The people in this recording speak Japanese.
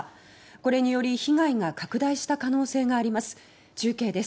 これにより被害が拡大した可能性があります。